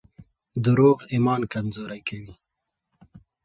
دروغ ایمان کمزوری کوي.